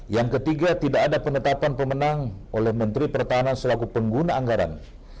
yang ketiga tidak ada penetapan pemenang oleh menteri pertahanan selaku pengguna anggaran